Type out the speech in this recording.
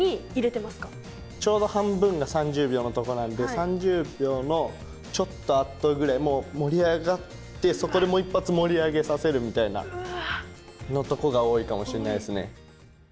ちょうど半分が３０秒のとこなんで３０秒のちょっとあとぐらいもう盛り上がってそこでもう一発盛り上げさせるみたいなのとこが多いかもしんないっすね。